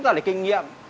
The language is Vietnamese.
giúp đỡ kinh nghiệm